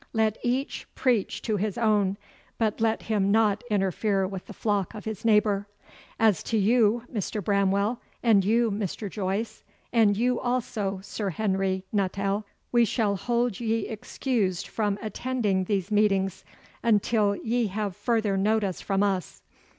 Let each preach to his own, but let him not interfere with the flock of his neighbour. As to you, Mr. Bramwell, and you, Mr. Joyce, and you also, Sir Henry Nuttall, we shall hold ye excused from attending these meetings until ye have further notice from us.